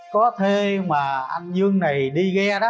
có thê mà anh dương này đi ghe đó